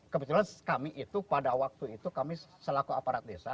kebetulan kami itu pada waktu itu kami selaku aparat desa